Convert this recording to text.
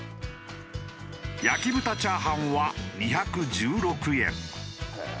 焼豚チャーハンは２１６円。